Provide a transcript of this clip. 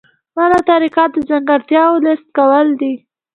بله طریقه د ځانګړتیاوو لیست کول دي.